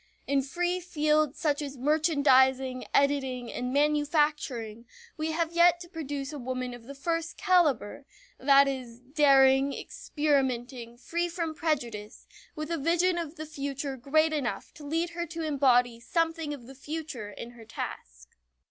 In free fields such as merchandising, editing, and manufacturing we have yet to produce a woman of the first caliber; that is, daring, experimenting, free from prejudice, with a vision of the future great enough to lead her to embody something of the future in her task.